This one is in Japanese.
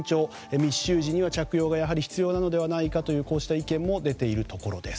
密集時には着用が必要なのではないかとこうした意見も出ているところです。